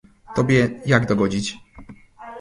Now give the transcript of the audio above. "tobie jak dogodzić?"